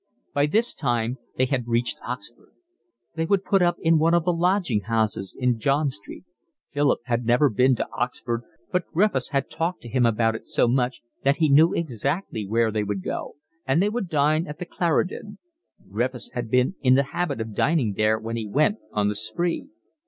By this time they had reached Oxford. They would put up in one of the lodging houses in John Street; Philip had never been to Oxford, but Griffiths had talked to him about it so much that he knew exactly where they would go; and they would dine at the Clarendon: Griffiths had been in the habit of dining there when he went on the spree.